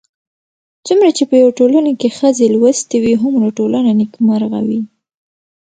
څومره چې په يوه ټولنه کې ښځې لوستې وي، هومره ټولنه نېکمرغه وي